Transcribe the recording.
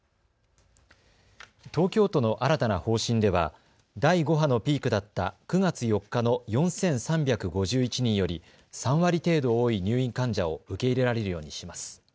東京都の新たな方針では第５波のピークだった９月４日の４３５１人より３割程度多い入院患者を受け入れられるようにします。